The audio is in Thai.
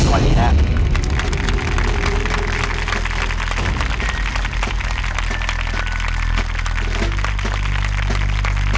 วันนี้นะครับ